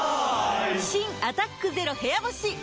新「アタックＺＥＲＯ部屋干し」解禁‼